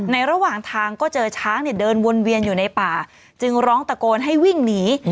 ระหว่างทางก็เจอช้างเนี่ยเดินวนเวียนอยู่ในป่าจึงร้องตะโกนให้วิ่งหนี